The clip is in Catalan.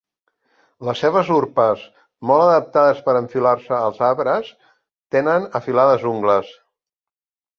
Les seves urpes, molt adaptades per enfilar-se als arbres, tenen afilades ungles.